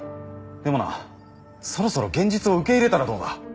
でもなそろそろ現実を受け入れたらどうだ。